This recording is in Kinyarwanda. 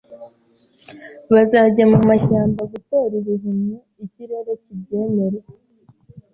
Bazajya mumashyamba gutora ibihumyo, ikirere kibyemere.